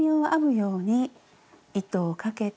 糸をかけて。